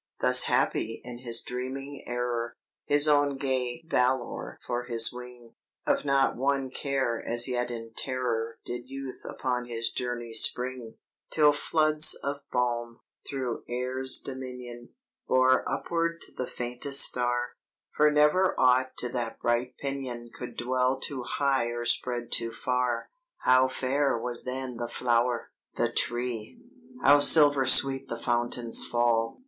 "Thus happy in his dreaming error, His own gay valor for his wing, Of not one care as yet in terror Did Youth upon his journey spring; Till floods of balm, through air's dominion, Bore upward to the faintest star For never aught to that bright pinion Could dwell too high or spread too far. "How fair was then the flower, the tree! How silver sweet the fountains fall!